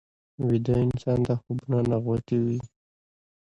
ویده انسان ته خوبونه نغوتې وي